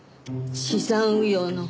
資産運用の。